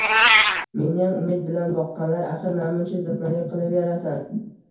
-Meniyam umid bilan boqqanlar axir. Namuncha ziqnalik qilaverasan?!